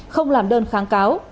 không làm đơn kháng cáo